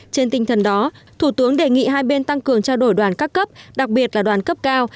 trên tinh thần đó thủ tướng đề nghị hai bên tăng cường trao đổi đoàn các cấp đặc biệt là đoàn cấp cao